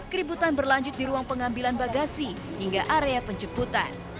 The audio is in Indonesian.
keributan berlanjut di ruang pengambilan bagasi hingga area penjemputan